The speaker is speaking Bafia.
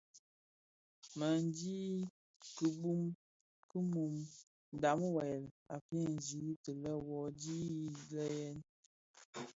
MË ndhi kibuň ki mum ndhami wuèl a feegsi ti lè: wuodhi dii le yèn.